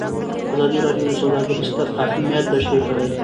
ازادي راډیو د سوداګري ستر اهميت تشریح کړی.